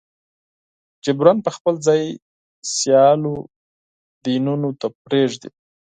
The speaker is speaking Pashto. جبراً به خپل ځای سیالو دینونو ته پرېږدي.